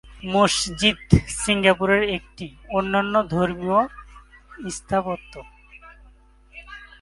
মসজিদ সিঙ্গাপুরের একটি অনন্য ধর্মীয় স্থাপত্য।